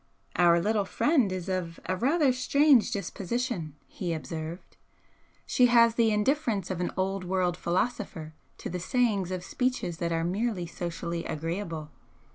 "Our little friend is of a rather strange disposition," he observed "She has the indifference of an old world philosopher to the saying of speeches that are merely socially agreeable.